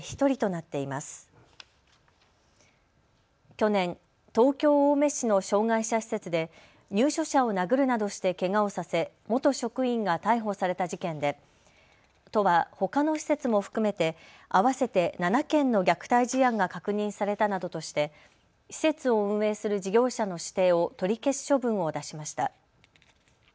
去年、東京青梅市の障害者施設で入所者を殴るなどしてけがをさせ元職員が逮捕された事件で、都はほかの施設も含めて合わせて７件の虐待事案が確認されたなどとして施設を運営する事業者の指定を取り消す処分を出しました。